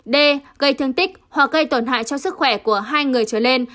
d gây thương tích hoặc gây tổn hại cho sức khỏe của hai người trở lên